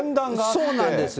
そうなんです。